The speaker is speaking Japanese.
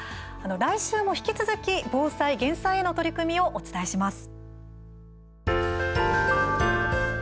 来週も引き続き、防災・減災への取り組みをお伝えします。